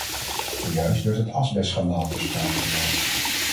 Zojuist werd het asbestschandaal ter sprake gebracht.